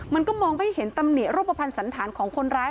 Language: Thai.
มันก็มองไม่เห็นตำหนิรูปภัณฑ์สันธารของคนร้าย